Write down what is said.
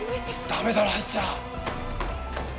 ダメだろ入っちゃ！